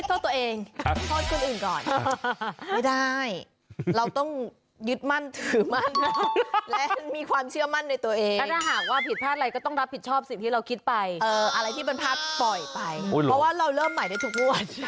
โทษตัวเหนือตัวทองนะร้อง